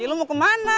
ya lu mau kemana